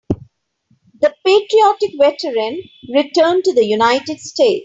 The patriotic veteran returned to the United States.